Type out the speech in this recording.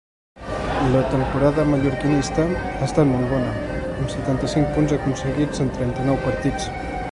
La temporada mallorquinista ha estat molt bona, amb setanta-cinc punts aconseguits en trenta-nou partits.